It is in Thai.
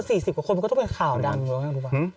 ถ้าเกิด๔๐กว่าคนก็ต้องเป็นข่าวดังหรืออะไร